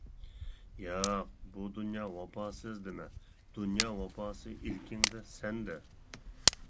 ياق، بۇ دۇنيا «ۋاپاسىز» دېمە، دۇنيا ۋاپاسى ئىلكىڭدە-سەندە.